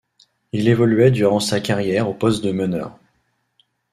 Il évoluait durant sa carrière au poste de meneur.